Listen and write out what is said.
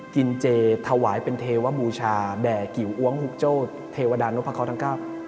กินเจถวายเป็นเทวบูชาแด่กิวอ้วงหุกโจ้เทวดานพเขาทั้งเก้า